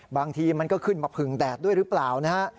บางทีมันก็ขึ้นมาผึ่งแดดด้วยหรือเปล่านะฮะ